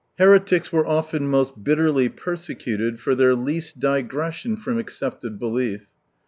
— Heretics were often most bitterly persecuted for their least digression from accepted belief.